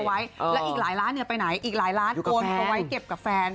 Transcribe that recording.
แล้วอีกหลายล้านไปไหนอีกหลายล้านคนเอาไว้เก็บกับแฟน